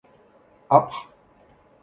Apr